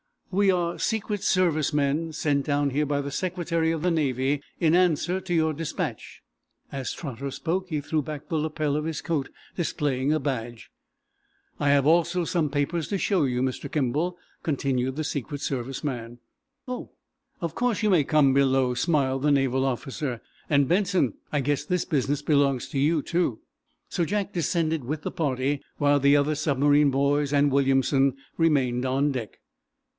We are Secret Service men sent down here by the Secretary of the Navy, in answer to your dispatch." As Trotter spoke he threw back the lapel of his coat, displaying a badge. "I have also some papers to show you, Mr. Kimball," continued the Secret Service man. "Oh, of course you may come below," smiled the naval officer. "And, Benson; I guess this business belongs to you, too." So Jack descended with the party, while the other submarine boys and Williamson remained on deck.